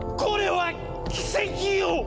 これは奇跡よ！